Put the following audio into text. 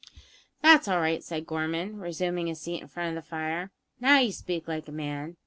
"That's all right," said Gorman, resuming his seat in front of the fire; "now you speak like a man.